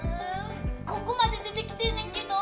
ここまで出てきてんねんけど。